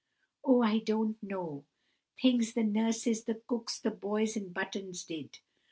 "Oh, I don't know—things the nurses, and cooks, and boys in buttons did.